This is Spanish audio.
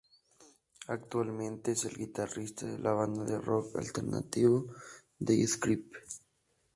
Actualmente es el guitarrista de la banda de rock alternativo The Script.